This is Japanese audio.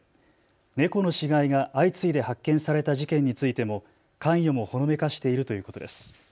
猫の死骸が相次いで発見された事件についても関与もほのめかしているということです。